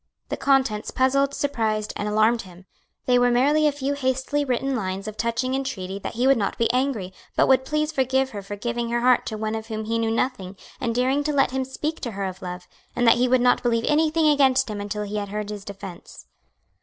The contents puzzled, surprised, and alarmed him. They were merely a few hastily written lines of touching entreaty that he would not be angry, but would please forgive her for giving her heart to one of whom he knew nothing, and daring to let him speak to her of love; and that he would not believe anything against him until he had heard his defence.